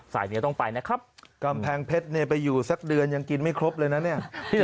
สายนี้ต้องไปนะครับกำแพงเพชรเนี่ยไปอยู่สักเดือนยังกินไม่ครบเลยนะเนี่ย